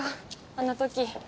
あの時。